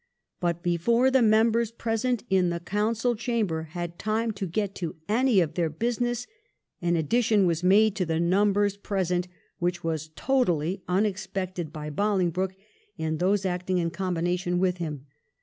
But before the members present in the Council chamber had time to get to any of their business, an addition was made to the numbers present which was totally unexpected by Bolingbroke and those acting in combination with him.